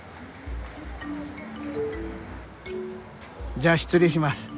じゃあ失礼します。